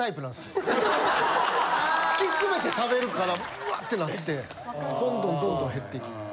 突き詰めて食べるからウワ！ってなってどんどんどんどん減っていきます。